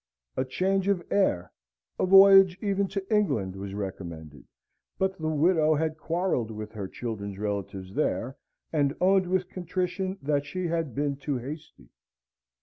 A change of air, a voyage even to England, was recommended, but the widow had quarrelled with her children's relatives there, and owned with contrition that she had been too hasty.